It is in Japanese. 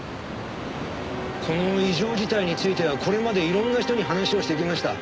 この異常事態についてはこれまでいろんな人に話をしてきました。